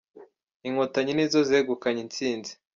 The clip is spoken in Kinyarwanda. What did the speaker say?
Inkotanyi nizo zegukanye insinzi